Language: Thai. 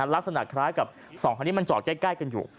ลักษณะคล้ายกับสองคันนี้มันจอดใกล้กันอยู่